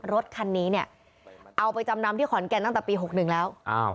รถคันนี้เนี่ยเอาไปจำนำที่ขอนแก่นตั้งแต่ปี๖๑แล้ว